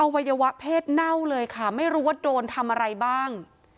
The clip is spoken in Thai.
วัยวะเพศเน่าเลยค่ะไม่รู้ว่าโดนทำอะไรบ้าง